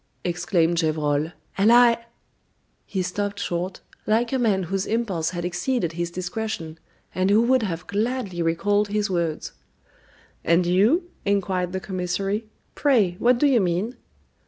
exclaimed Gevrol, "and I " He stopped short, like a man whose impulse had exceeded his discretion, and who would have gladly recalled his words. "And you?" inquired the commissary, "pray, what do you mean?"